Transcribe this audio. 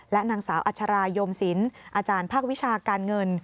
นางสาวอัชรายมศิลป์อาจารย์ภาควิชาการเงิน